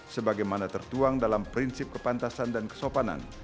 sebagaimana tertuang dalam prinsip kepantasan dan kesopanan